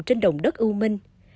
trong đất u minh